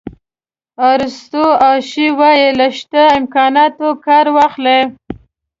آرثور اشي وایي له شته امکاناتو کار واخلئ.